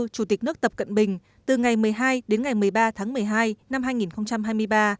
chủ tịch nước tập cận bình từ ngày một mươi hai đến ngày một mươi ba tháng một mươi hai năm hai nghìn hai mươi ba